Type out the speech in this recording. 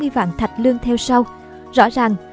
bảy mươi vạn thạch lương theo sau rõ ràng